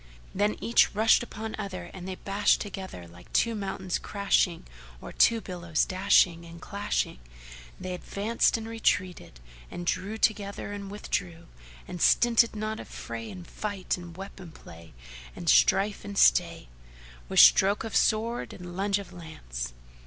Then each rushed upon other and they bashed together like two mountains crashing or two billows dash ing and clashing: they advanced and retreated; and drew together and withdrew; and stinted not of fray and fight and weapon play, and strife and stay, with stroke of sword and lunge of lance.